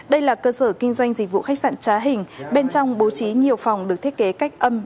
đây là cơ sở kinh doanh dịch vụ khách sạn trá hình bên trong bố trí nhiều phòng được thiết kế cách âm